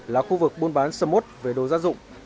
là khu vực buôn bán sâm mốt về đồ giá dụng